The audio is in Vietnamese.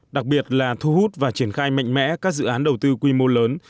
đặc biệt là thu hút và triển khai mạnh mẽ các dự án đầu tư quy mô lớn